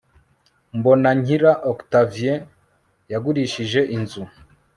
mbonankira octavien yagurishije inzu